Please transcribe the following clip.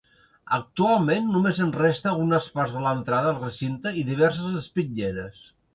Actualment, només en resta algunes parts de l'entrada al recinte i diverses espitlleres.